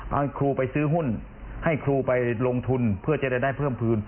เอาครูไปซื้อหุ้นให้ครูไปลงทุนเพื่อจะได้เพิ่มพื้น